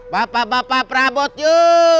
bapak bapak perabot yuk